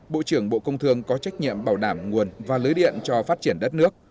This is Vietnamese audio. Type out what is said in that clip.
bộ trưởng bộ công thương có trách nhiệm bảo đảm nguồn và lưới điện cho phát triển đất nước